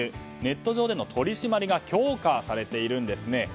ネット上での取り締まりが強化されているんですね。